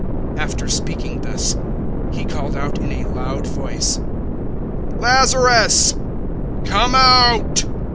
011:043 After speaking thus, He called out in a loud voice, "Lazarus, come out."